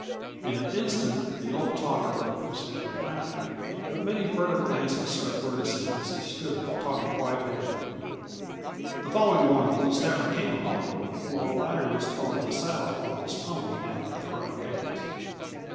In an instant the old talk arose and the laughter, but many furtive glances swept Ferguson as he stood, talking quietly with Rope. The following morning Stafford came upon Rope while the latter was throwing the saddle on his pony down at the corral gate.